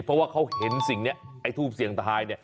เพราะว่าเขาเห็นสิ่งนี้ไอ้ทูบเสี่ยงทายเนี่ย